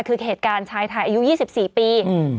คือเหตุการณ์ชายไทยอายุ๒๔ปี